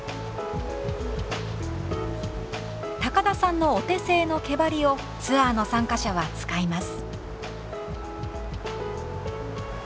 高田さんのお手製の毛ばりをツアーの参加者は使います。